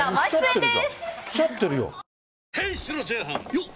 よっ！